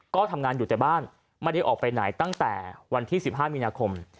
ก็ทำงานอยู่แต่บ้านไม่ได้ออกไปไหนตั้งแต่วันที่๑๕มีนาคม